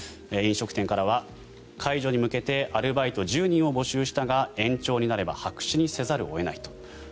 飲食店からは、解除に向けてアルバイト１０人を募集したが延長になれば白紙にせざるを得ないと。